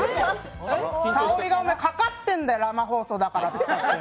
さおりがかかってんだよ、生放送だからって。